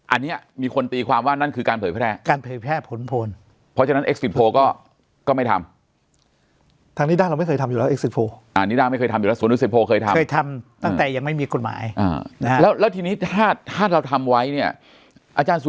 อันนี้มีคนตีความว่านั่นคือการเผยแพร่